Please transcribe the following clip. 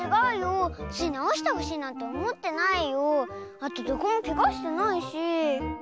あとどこもケガしてないし。